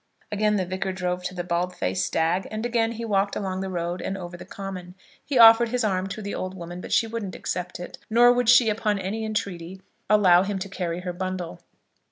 Again the Vicar drove to the Bald faced Stag, and again he walked along the road and over the common. He offered his arm to the old woman, but she wouldn't accept it; nor would she upon any entreaty allow him to carry her bundle.